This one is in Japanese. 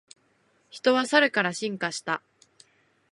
人はサルから進化した